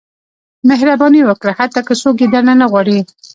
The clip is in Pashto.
• مهرباني وکړه، حتی که څوک یې درنه نه غواړي.